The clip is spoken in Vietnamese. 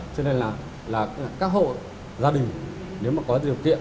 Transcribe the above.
cho nên là các hộ gia đình nếu mà có điều kiện